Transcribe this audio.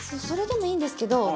それでもいいんですけど。